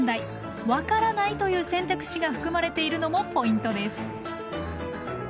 「わからない」という選択肢がふくまれているのもポイントです。